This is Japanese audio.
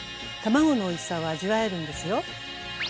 卵のおいしさを味わえるんですよ！